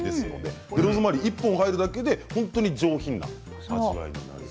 ローズマリーが１本入るだけで本当に上品な味になるんです。